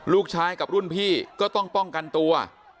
ลูกชายกับรุ่นพี่ก็ต้องป้องกันตัว